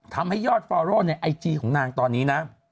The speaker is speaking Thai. ทำให้ยอดฟอโร่ในไอจีของนางตอนนี้นะ